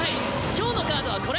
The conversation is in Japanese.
今日のカードはこれ。